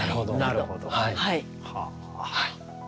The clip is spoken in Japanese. なるほど。